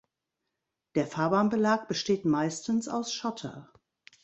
Der Fahrbahnbelag besteht meistens aus Schotter.